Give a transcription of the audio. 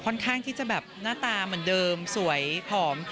ข้างที่จะแบบหน้าตาเหมือนเดิมสวยผอม